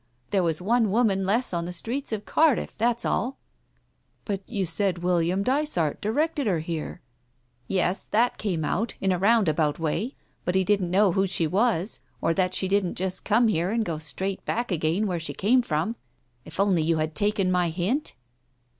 There was one woman less on the streets of Cardiff, that's all." " But you said William Dysart directed her here ?" "Yes, that came out, in a roundabout way, but he didn't know who she was, or that she didn't just come here and go straight back again where she came from. If only you had taken my hint